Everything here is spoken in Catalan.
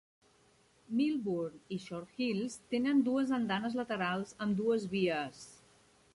Millburn i Short Hills tenen dues andanes laterals, amb dues vies.